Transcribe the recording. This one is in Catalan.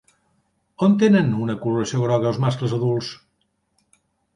On tenen una coloració groga els mascles adults?